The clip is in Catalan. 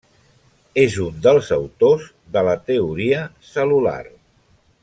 És un dels autors de la teoria cel·lular.